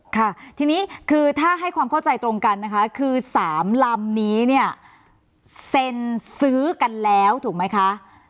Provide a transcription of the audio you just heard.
ค่ะทีนี้คือถ้าให้ความเข้าใจตรงกันนะคะคือ๓ลำนี้เนี่ยเซ็นซื้อกันแล้วถูกไหมคะ